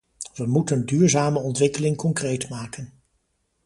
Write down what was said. We moeten duurzame ontwikkeling concreet maken.